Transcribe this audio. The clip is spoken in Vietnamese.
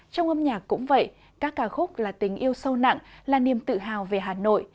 trong âm nhạc cũng vậy các ca khúc là tình yêu sâu nặng là niềm tự hào về hà nội